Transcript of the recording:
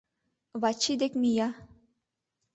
Вачи дек мия.